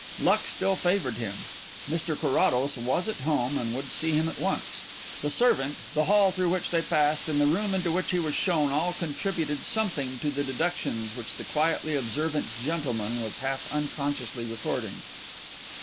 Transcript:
Luck still favoured him; Mr Carrados was at home and would see him at once. The servant, the hall through which they passed, and the room into which he was shown, all contributed something to the deductions which the quietly observant gentleman was half unconsciously recording.